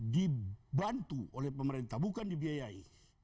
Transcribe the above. dibantu oleh pemerintah bukan dibiayai